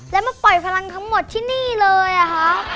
แล้วมาปล่อยพลังทั้งหมดที่นี่เลยอะคะ